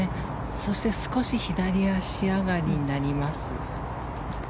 そして、少し左足上がりになります。